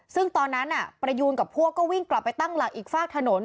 ซึ่งตอนนั้นประยูนกับพวกก็วิ่งกลับไปตั้งหลักอีกฝากถนน